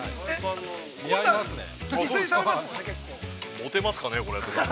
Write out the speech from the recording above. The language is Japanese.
◆モテますかね、これ。